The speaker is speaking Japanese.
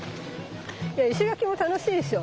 石垣も楽しいでしょ。